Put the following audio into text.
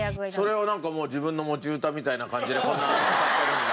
それをなんかもう自分の持ち歌みたいな感じでこんな使ってるんだ。